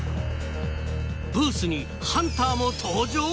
ブースにハンターも登場？